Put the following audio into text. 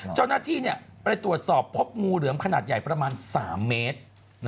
เจ้าหน้าที่ไปตรวจสอบพบงูเหลือมขนาดใหญ่ประมาณ๓เมตร